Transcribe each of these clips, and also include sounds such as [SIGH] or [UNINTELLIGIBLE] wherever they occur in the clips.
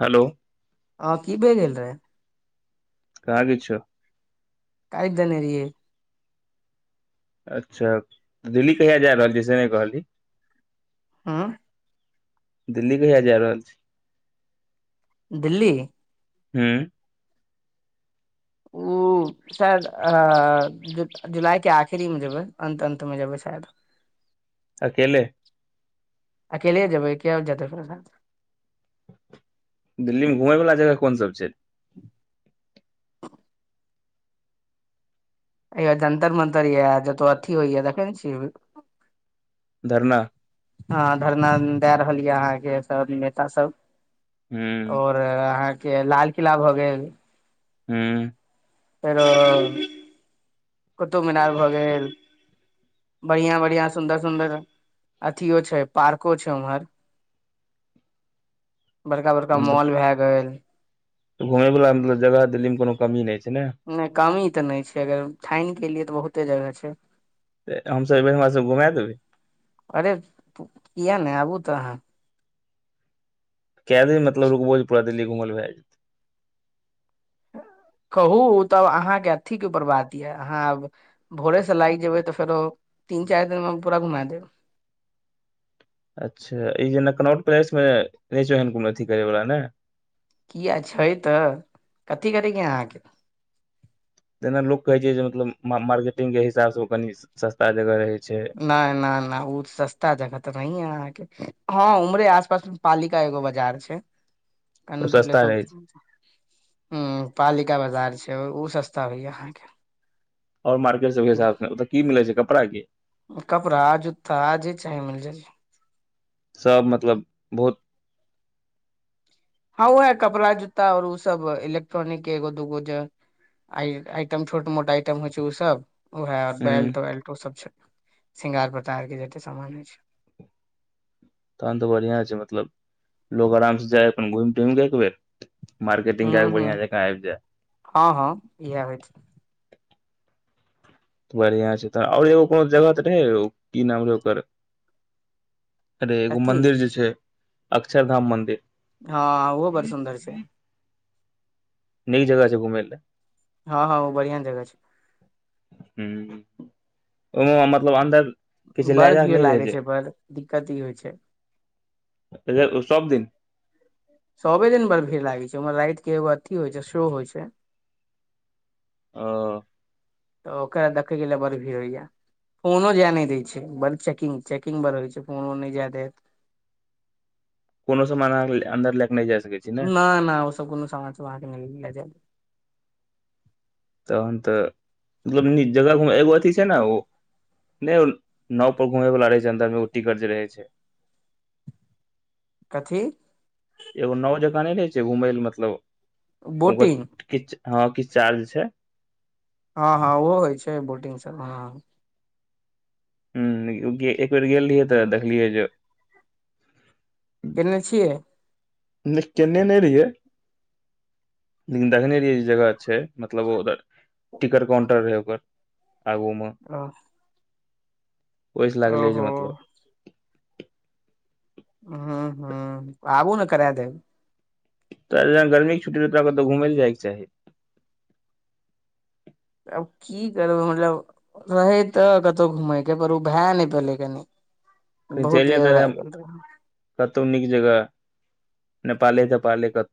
hello आ की भए गेल रहे कहाँ किछो काइट देने रहियै अच्छा दिल्ली कहिया जा रहल छियै से नहि कहली ह्म दिल्ली कहिया जा रहल छै दिल्ली हूँ ओ [INAUDIBLE] शायद अ जुलाई के आखिरी मे जेबै अन्त अन्त मे जेबै शायद अकेले अकेले जेबै के और जेतै ककरौ साथ दिल्लीमे घुमयवला जगह कोन सब छै [INAUDIBLE] हयै जन्तर मंन्तर यऽ जतौ अथी होइया देखे ने छी धरना हँ धरना दए रहल यऽ अहाँके सब नेता सब हू और अहाँके लाल किला भऽ गेल हँ फेरो कुतुब मीनार भऽ गेल बढ़िया बढ़िया सुंदर सुंदर अथियो छै पार्को छै उम्हर [INAUDIBLE] बड़का बड़का मॉल भय गेल तऽ घुमय वला मतलब जगह दिल्ली मे कोनो कमी नहि छै ने नहि कमी तऽ नहि छै अगर ठानि के लिए तऽ बहुते जगह छै तऽ हमसभ एबै हमरा सब के घुमाय देबहीं अरे किए नहि आबू तऽ अहाँ कै दिन मतलब रकबोजे पूरा दिल्ली घुमल भए जेतै कहू तब अहाँके अथीके उपर बात यऽ अहाँ आब भोरे से लागि जेबै तऽ फेरो तीन चारि दिन में पूरा घुमा देब अच्छा ई जे नकनौर पलेश मे नई छौ अथी करै वला ने कियै छै तऽ कथी करैके आहाँके जेना लोक कहै छै जे मतलब मार्केटिंग के हिसाब से ओ कनि सस्ता जगह रहै छै न न न उ सस्ता जगह तऽ नेहियै आहाँ के हँ उमरे आसपास पालिका एगो बजार छै ओ कैननोटो सस्ता प्लस रहै छै ह पालिका बाजार छै उ सस्ता होइया आहाँ के आओर मार्केट सबके हिसाब ओतअ की मिलै छै कपड़ा की कपड़ा जूता जे चाही मिल जाइ सब मतलब बहुत हँ वैह कपड़ा जूता आर ओ सब इलेक्ट्रॉनिक एगो दूगो जे आ आइटम छोट मोट आइटम होइ छै ओ सब उहै हूं बेल्ट वेल्ट सब छै शृंगार पटार के जते सामान होइ छै तहन तऽ बढ़ियां छै मतलब लोग आराम से जाय अपन घुमि टुमि कऽ एकबेर मर्केटिंग केए हूं के हूं बढ़िया जकाँ आबि जैत हँ हँ इहै होइ छै बढ़िआँ छै तऽ आओर एगो कोनो जगह तऽ रहै ओ की नाम रहै ओकर अरे एगो अथी मंदिर जे छै अक्षर धाम मंन्दिर हँ ओहो बड़ सुन्दर छै नीक जगह छै घुमय लऽ हँ हँ ओ बढ़िया जगह छै हं ओ मतलब अन्दर किछ लए बड़ जायके भीड़ नहि रहै लागै छै बड़ दिक्कत ई होइ छै [UNINTELLIGIBLE] सब दिन सबे दिन बड़ भीड़ लागै छै ओमहर लागै छै एगे अथी होइ छै शो होइ छै ओ तऽ ओकरा देखै के लिए बड़ भीड़ होइया फोनो जाय नहि द छै बड़ चेकिंग चेकिंग बड़ होइ छै फोनो नहि जाय देत कोनो समान आँहा अन्दर लैक नहि जाइ सकै छी ने नय न उ सब कोनो समान सब आहाँ के नय तहन तो बड़ निक जगह घूमय जाय एगो अथी छै ने ओ नहि ओ नाव पर घूमे वाला रहे छै अंन्दर मे ओ टिकट जे रहे छै कथी एगो नाव जकाँ नहि रहे छै घूमय ल मतलब ओकर बोटिंग किछ हँ किछ चार्ज छै हँ हँ ओहो होइ छै बोटिंग सब हँ हं एक बेर गेल रहि तऽ देखलियै जे केने छियै न केने नहि रहियै देखने रहियै जे जगह छै मतलब ओ उधर टिकट काउंटर रहै ओकर आगूमे आ ओहिस लागले जे मतलब हं हं आबू ने करा देब तोरा ऽ जेना गर्मीक छुट्टी राहो कतौ घूमेय ले जाइके चाही आब की करबै जब रहै तऽ कतौउ घूमय के पर उ भए नहि पलै कनि कहीं बहुत चलि देर जात रहै भए गेल रहे केतौउ नीक जगह नेपाले तपाले कतहु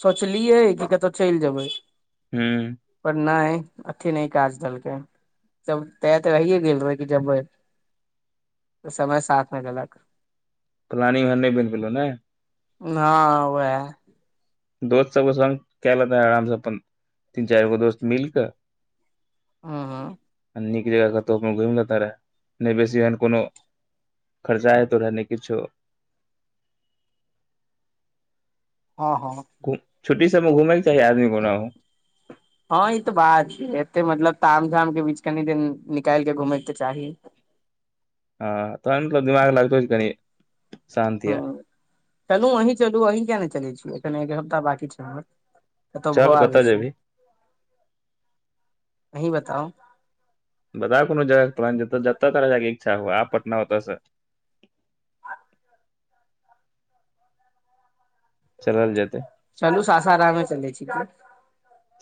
सोचलियै कि केतौउ चल जेबै हूँ पर नहि अथी नहि काज देलकै जब तय तऽ रहिए गेल रहै कि जबय त समय साथ नय देलक पलानिंग ओहेन न‌ए बन पेलै न‌ऐ हाँ ओहय दोस्त सब संग कैल त आरामसँ अपन तीन चारि गो दोस्त मिल क आ हँ आ नीक जगह कतो घुमि लेता रहै नहि बेसी एहन कोनो खर्चा है तो ने किछो हँ हँ कु छुट्टी सबमे घुमयके चाही आदमी ओना हो हँ ई तऽ बात छै एते मतलब ताम झाम के बीच कनि दिन निकाल के घूमै के चाही हँ तहन तऽ दिमाग लागतौ कनी हं चलू अहीं चलू अहीं किया नहि चलै छी एखन एक हफ्ता बांकी छै हमर कतहु चल भ आबै कतऽ छै जेबही अहीं बताउ बतायब कोनो जगह के नाम जतऽ तोरा जाायके इच्छा हए आ पटना होतऽ चलल जेतै चलू सासारमे चलै छी की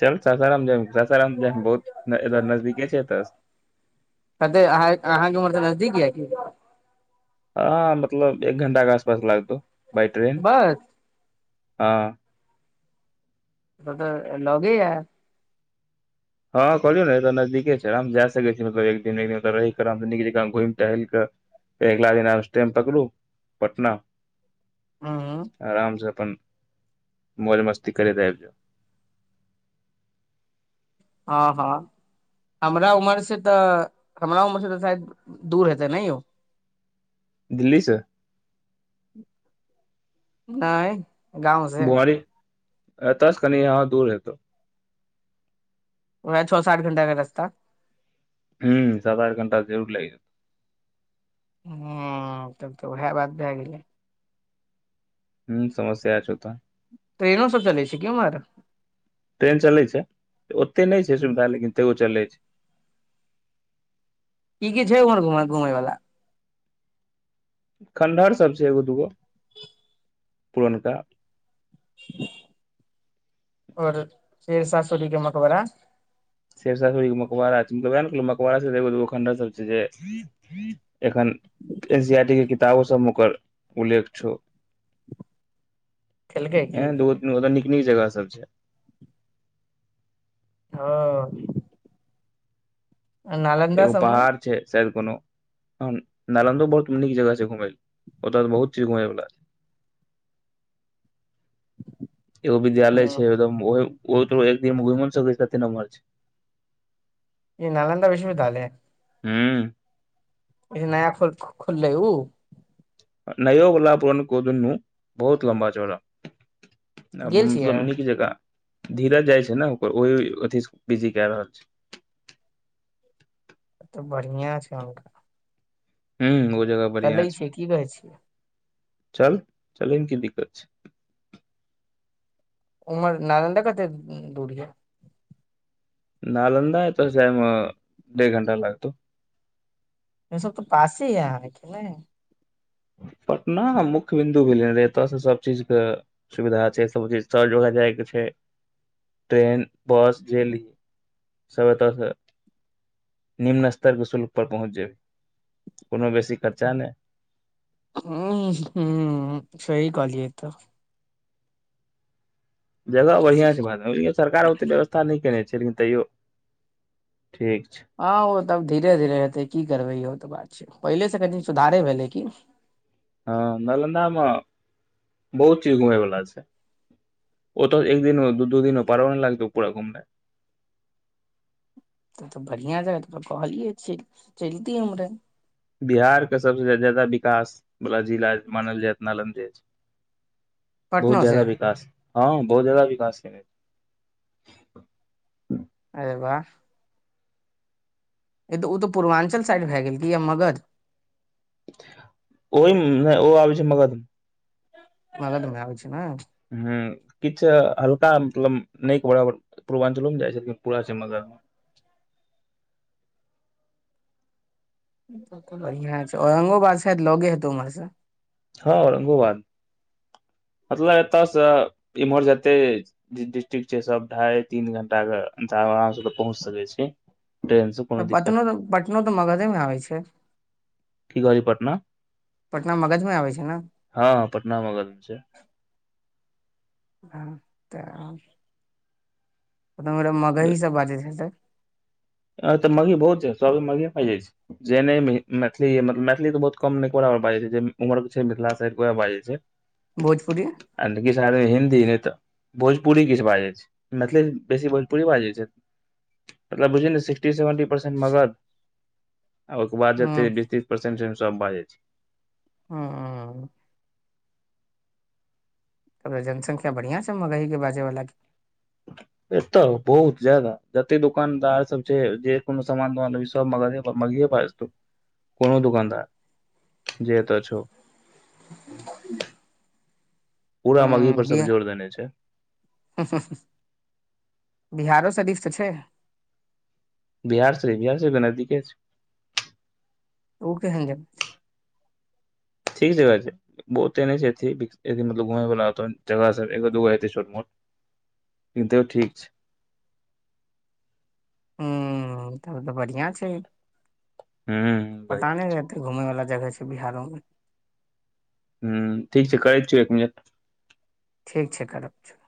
चल ससाराम जाय ससाराम जाब बहुत नजदीके छै एतऽ कहते आहाँ के उमर से नजदीकी यै हँ मतलब एक घंटा के आसपास लागतौ बाय ट्रेन बस तऽ तऽ लगेया हँ कहलियौ ने एतऽ नजदीके छै आाम जाय सकै छी मतलब एक दिन एक दिन रहि क आराम नीक जकां घुमि टहलि कऽ अगिला दिना स्टेम पकरू पटना हूँ आरामसँ अपन मौज मस्ती करैत आबि जाउ हँ हँ हमरा उमर से तऽ हमरा उमर से तऽ शायद दूर हेतै ने यौ दिल्ली सँ हाय बुआरी एतास कनी हाँ दूर हतौ वएह छ सात घण्टा के रस्ता हूं सात आठ घण्टा जरूर लागि जे तौ हूँ तब तऽ उएह बात भए गेलै हूँ समस्या छौ तऽ ट्रेनो सब चले छै की उमहर ट्रेन चलै छै ओते नहि छै सुविधा लेकिन तैयो चलै छै की की छै उमहर घुम घुमै वला खण्डहर सब छै एगो दूगो पुरनका आओर शेरशाह सूरी के मकबरा शेरशाह सुरी के मकबड़ा छै मतलब उएह ने कहलियो मकबड़ा सब एगो दूगो खण्डर सब छै जे एखन एन सी आर टी के किताबो सभ मे ओकर उल्लेख छौ खेलकै की ऐहन दू गो तीन गो ओत नीक नीक जगह सब छै हँ नालन्दा एगो सबमे पहाड़ छै शायद कोनो ह नालन्दो बहुत नीक जगह छै घुमे ले ओतत बहुत चीज घुमेय वाला छै छै एगो विद्यालय छै ह एगदम ओहो एक दिनमे घुमौ नै सकै छै लम्बा छै ई नलन्दा विश्वविद्यालय हँ इ नया खोल खोललै उ नयोवला पुरनको दुनू बहुत लमबा चौड़ा आ गेल मतलब छियै नीक जेकाँ धीरज जाइ छै ने ओकर ओहि अथि बिजी कए रहल छै तऽ बढ़ियां छै हुनका ह ओ जगह बढ़िया चलै छै छियै की कहै छियै चल चलै मे की दिक्कत छै उमहर नालन्दा कतेक दूरी है नालन्दा एतअ स जाइम डेढ़ घंटा लागतौ इ सब तऽ पासे यै नैय पटना मुख्य बिन्दु भेल रहै एतय सँ सब चीजक सुविधा छै सब चीज सर जोगा जायके छै ट्रेन बस जेे ली सब एतऽ सँ निम्न स्तर के शुल्क पर पहुँच जेबै कोनो बेसी खर्चा नै हँ हँ सही कहलियै तऽ जगह बढ़ियां छै भारत मे सरकार ओते व्यवस्था स्था नहि केने छै लेकिन तैयो ठीक छै हँ ओ तब धीरे धीरे हेतै की करबै इहो तऽ बात छै पहिले से कनी सुधारे भेलै की हँ नालन्दामे बहुत चीज घुमय वला छै ओ तऽ एक दिन दू दू दिनो पारब नहि लागतौ पूरा घुममे त तऽ बढ़ियां जगह तरा कहलियै छी चलितिये उमरे बिहार के सबस जादा विकास वाला जिला मानल जायत नालन्दे बहुत पटनो जादा से विकास हँ बहुत जादा विकास केने अरे वाह तऽ ओ तऽ पूर्वाञ्चल साइड भए गेल क कि या मगध ओहिमे ओ आबै छै मगध मगध मे आबै छै नाइ ह किछ हल्का मतलब नय के बराबर पूर्वञ्चलोमे जाइ छै लेकिन पुरा छै मगध मऽ बढ़िआँ छै औरंगोबाद सायद लगे हेतौ उम्हर सँ हँ औरंगोबाद मतलब एतयसँ इम्हर जेते डिस्ट्रिक्ट छै सब ढाई तीन घंटा के आराम से पहुँच सकै छी ट्रेन सँ पतनो पटनो तऽ मगधे म आबै छै कि कहलिए पटना पटना मगध मे आबै छै ने हँ हँ पटना मगध मऽ छै हँ तऽ [UNINTELLIGIBLE] मगही सब बाजै हेतै हँ एतअ मगही बहुत छै सभ अभि मगहीये बाजैय छै जे नहि मैथिली मैथिली तऽ बहुत कम निकोरा बर बाजै छैथिन उमहर छै मिथिला सँ उहे बाजै छै [INAUDIBLE] भोजपुरी आ किछ आदमी हिन्दी नइ तऽ भोजपुरी किछ बाजै छै मैथिली बेसी भोजपुरी बाजै छै मतलब बुझि न सिक्टी सेवेन्टी परसेन्ट मगध आ ओहि कऽ बाद हूँ जते बीस तीस परसेन्ट छै नऽ सब बाजै छै हँ तब तऽ जनसंख्या बढ़िया छै मगही के बाजे बाला के एतअ बहुत ज्यादा जते दुकानदार सब छै जे कोनो सामान तामान लेबही सब मगधे सब मगहीये बाजतो कोनो दुकानदार जे अतअ छौ पूरा मगही पर सब जोर देने छै हुँ हुँ हुँ बिहारो सरिफ तऽ छै बिहार सरीफ बिहार सरीफ तऽ नदिके छै ओक केहैन जगह छै ठीक जमह छै बहुते नहि छै अथि बिक मतलब घूमै वला ओतअ जगह सब एगो दूगो होतै छोट मोट लेकिन तयै ठीक छै हुँ तब तऽ बढ़ीआ छै हूँ पता नहि रहतै घूमय वाला जगह छै बिहारो मे हुँ ठीक छै करैै छियै एक मिनट ठीक छै कर [UNINTELLIGIBLE]